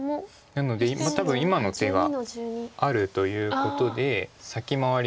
なので多分今の手があるということで先回りして。